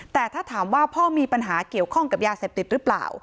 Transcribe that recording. แต่ถ้าถามว่าพ่อมีปัญหาเกี่ยวข้องกับยาเสพติดหรือเปล่า